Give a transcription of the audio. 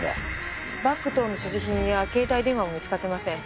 バッグ等の所持品や携帯電話も見つかっていません。